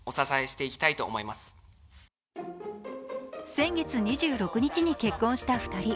先月２６日に結婚した２人。